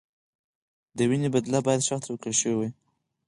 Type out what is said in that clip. د وینې بدله باید شخص ته ورکړل شوې وای.